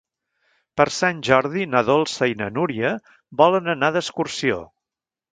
Per Sant Jordi na Dolça i na Núria volen anar d'excursió.